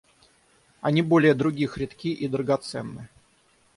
Они более других редки и драгоценны.